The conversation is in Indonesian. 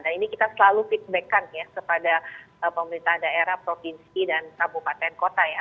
dan ini kita selalu feedback kan ya kepada pemerintah daerah provinsi dan kabupaten kota ya